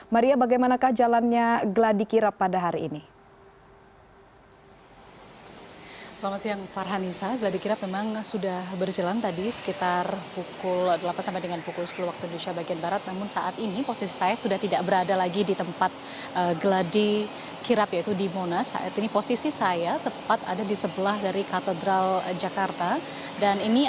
maria bagaimanakah jalannya gladikirap pada hari ini